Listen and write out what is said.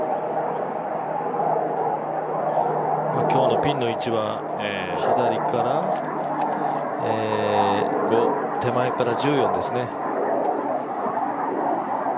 今日のピンの位置は左から５、手前から１４ですね。